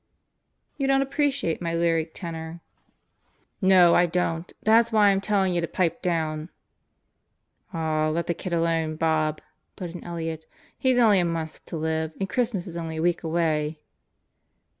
"You don't appreciate my lyric tenor ..." 148 God Goes to Murderer's Row "No, I don't. That's why I'm tellin 7 ya to pipe down." "Aw, let the kid alone, Bob," put in Elliott. "He's only a month to live and Christmas is only a week away."